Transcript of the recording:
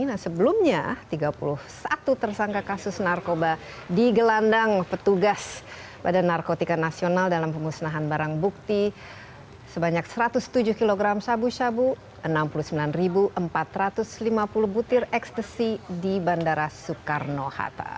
nah sebelumnya tiga puluh satu tersangka kasus narkoba digelandang petugas badan narkotika nasional dalam pemusnahan barang bukti sebanyak satu ratus tujuh kg sabu sabu enam puluh sembilan empat ratus lima puluh butir ekstasi di bandara soekarno hatta